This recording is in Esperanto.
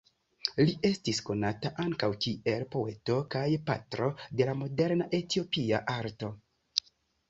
Li estis konata ankaŭ kiel poeto kaj patro de la moderna Etiopia arto.